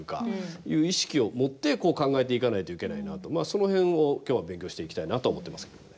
その辺を今日は勉強していきたいなと思ってますけどね。